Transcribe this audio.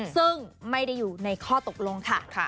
ซึ่งไม่ได้อยู่ในข้อตกลงค่ะ